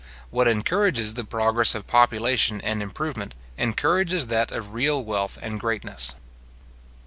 What encourages the progress of population and improvement, encourages that of real wealth and greatness.